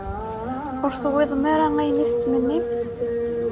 Ur tewwiḍem ara ayen i tettmennim?